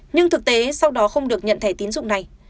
nhưng thực tế sau đó không được nhận thẻ tín dụng này